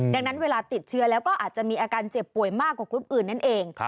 ดังนั้นเวลาติดเชื้อแล้วก็อาจจะมีอาการเจ็บป่วยมากกว่ากรุ๊ปอื่นนั่นเอง